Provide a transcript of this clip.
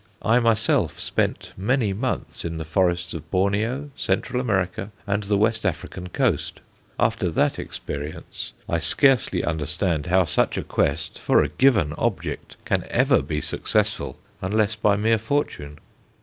I myself spent many months in the forests of Borneo, Central America, and the West African coast. After that experience I scarcely understand how such a quest, for a given object, can ever be successful unless by mere fortune.